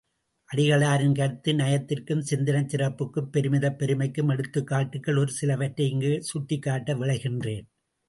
அடிகளாரின் கருத்து நயத்திற்கும் சிந்தனைச் சிறப்புக்கும் பெருமிதப் பெருமைக்கும் எடுத்துக்காட்டுக்கள் ஒரு சிலவற்றை இங்குச் சுட்டிக்காட்ட விழைகின்றேன்.